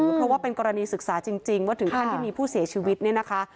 เพราะว่าเป็นกรณีศึกษาจริงว่าถึงขั้นที่มีผู้เสียชีวิตเนี่ยนะคะ